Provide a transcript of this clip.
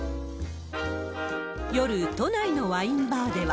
夜、都内のワインバーでは。